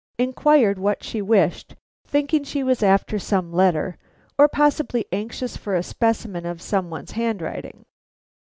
inquired what she wished, thinking she was after some letter, or possibly anxious for a specimen of some one's handwriting.